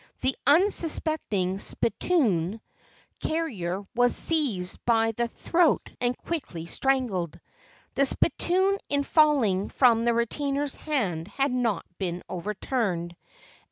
The unsuspecting spittoon 8o LEGENDS OF GHOSTS carrier was seized by the throat and quickly strangled. The spittoon in falling from the retainer's hand had not been overturned.